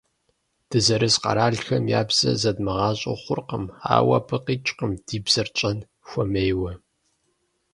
Дызэрыс къэралхэм я бзэр зэдмыгъащӏэу хъуркъым, ауэ абы къикӏкъым ди бзэр тщӏэн хуэмейуэ.